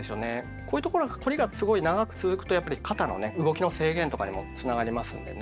こういうところが凝りがすごい長く続くとやっぱり肩のね動きの制限とかにもつながりますんでね。